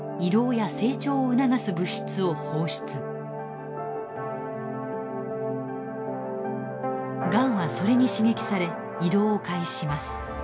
がんはそれに刺激され移動を開始します。